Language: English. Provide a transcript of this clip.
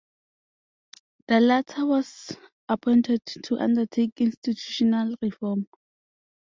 The latter was appointed to undertake institutional reform.